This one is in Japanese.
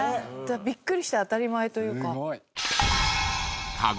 ビックリして当たり前というか。